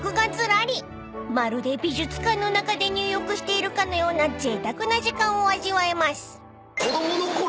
［まるで美術館の中で入浴しているかのようなぜいたくな時間を味わえます］